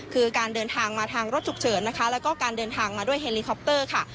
คือการเดินทางมาทางรถฉุกเฉินนะคะแล้วก็การเดินทางมาด้วยเฮลิคอปเตอร์ค่ะ